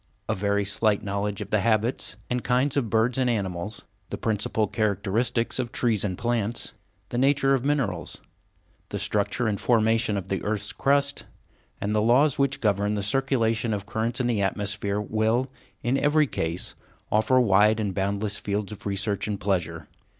A very slight knowledge of the habits and kinds of birds and animals, the principal characteristics of trees and plants, the nature of minerals, the structure and formation of the earth's crust, and the laws which govern the circulation of currents in the atmosphere will, in every case, offer wide and boundless fields of research and pleasure.